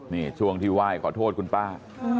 นี่ช่วงที่ไหว้ขอโทษคุณป้า